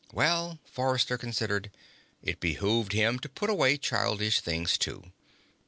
Well, Forrester considered, it behooved him to put away childish things, too.